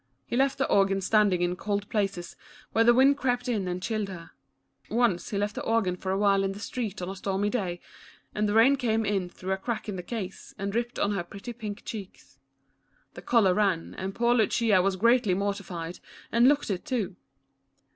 He left the organ standing in cold places, where the wind crept in and chilled her. Once he left the ororan for a while in the street on a stormy day, and the rain came in through a crack in the case and dripped on her pretty pink cheeks. The color ran, and poor Lucia was greatly mortified, and looked it, too.